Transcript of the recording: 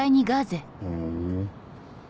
ふん。